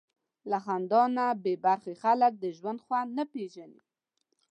له خندا نه بېبرخې خلک د ژوند خوند نه پېژني.